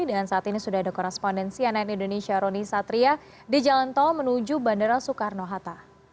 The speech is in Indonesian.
dengan saat ini sudah ada korespondensi yang lain indonesia rony satria di jalan tol menuju bandara soekarno hatta